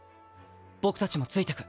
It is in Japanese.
僕たちもついてく。